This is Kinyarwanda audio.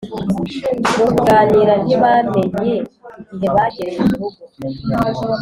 mu kuganira ntibamenye igihe bagereye murugo